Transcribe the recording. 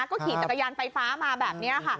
ก็ขี่จักรยานไฟฟ้ามาแบบนี้ค่ะ